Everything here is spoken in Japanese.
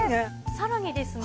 さらにですね